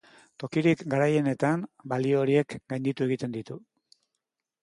Tokirik garaienetan, balio horiek gainditu egiten ditu.